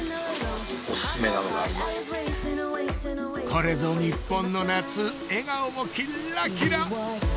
これぞ日本の夏笑顔もキッラキラ！